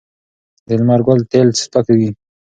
د لمر ګل تېل سپک وي.